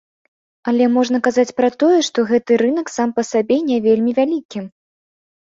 Але можна казаць пра тое, што гэты рынак сам па сабе не вельмі вялікі.